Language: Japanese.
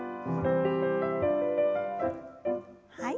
はい。